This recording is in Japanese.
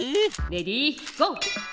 レディーゴー！